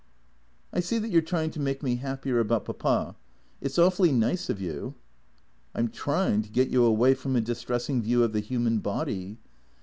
" I see that you 're trying to make me happier about Papa. It 's awfully nice of you." " I 'm trying to get you away from a distressing view of the human body.